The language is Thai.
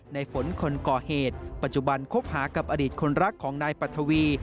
ในฝนคนก่อเหตุปัจจุบันคบหากับอดีตคนรักของนายปัทวี